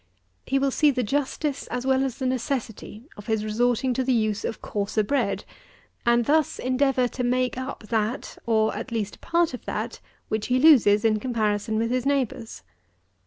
He will see the justice as well as the necessity of his resorting to the use of coarser bread, and thus endeavour to make up that, or at least a part of that, which he loses in comparison with his neighbours.